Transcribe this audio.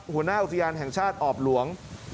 หัวหน้าอุทยานแห่งชาติออบหลวง